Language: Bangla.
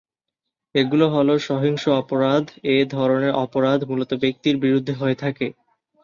এগুলো হলো- সহিংস আপরাধ: এ ধরনের অপরাধ মূলত ব্যক্তির বিরুদ্ধে হয়ে থাকে।